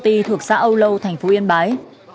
tỉnh yên bái